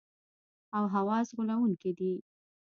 او حواس غولونکي دي.